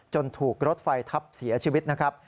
ถูกรถไฟทับเสียชีวิตนะครับ